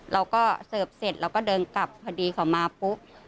เราก็เสิร์ฟเสร็จเราก็เดินกลับพอดีเขามาปุ๊บ